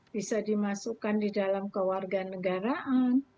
bisa dimasukkan di dalam kewarganegaraan